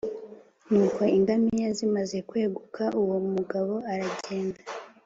Nuko ingamiya zimaze kweguka uwo mugabo aragenda